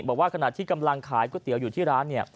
บอกว่าขณะที่กำลังขายก๋วยเตี๋ยวอยู่ที่ร้านเนี่ย